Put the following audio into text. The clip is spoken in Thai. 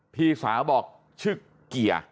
พี่สาวบอกชื่อเกียร์